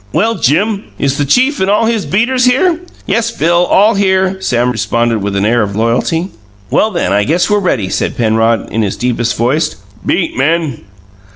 "Well, Jim, is the chief and all his beaters here?" "Yes, Bill; all here," Sam responded, with an air of loyalty. "Well, then, I guess we're ready," said Penrod, in his deepest voice. "Beat, men."